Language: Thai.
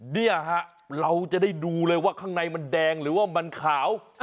เนี่ยฮะเราจะได้ดูเลยว่าข้างในมันแดงหรือว่ามันขาว